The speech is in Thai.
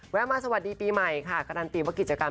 แวะมาสวัสดีปีใหม่ค่ะกำลังพรีมกับกิจกรรม